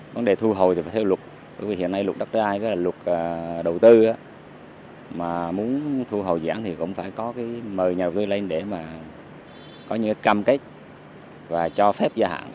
vấn đề thu hồi thì phải theo luật bởi vì hiện nay luật đắc trái luật đầu tư mà muốn thu hồi dự án thì cũng phải có cái mời nhà đầu tư lên để mà có những cái cam kết và cho phép gia hạn